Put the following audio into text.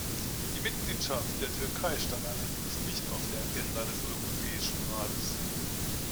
Die Mitgliedschaft der Türkei stand allerdings nicht auf der Agenda des Europäischen Rates.